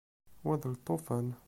Wa d lṭufan.